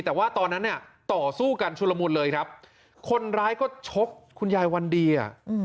แต่ว่าตอนนั้นเนี่ยต่อสู้กันชุลมุนเลยครับคนร้ายก็ชกคุณยายวันดีอ่ะ